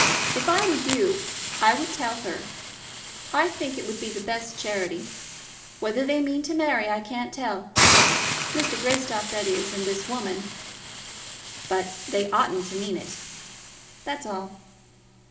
If I were you I would tell her. I think it would be the best charity. Whether they mean to marry I can't tell, Mr. Greystock, that is, and this woman; but they ought to mean it; that's all.